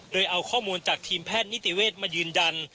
โดยเอาข้อมูลจากทีมแพทย์นิติเวศมายืนยัน